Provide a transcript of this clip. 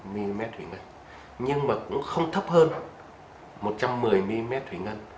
ba mươi năm mm huyết áp nhưng mà cũng không thấp hơn một trăm một mươi mm huyết áp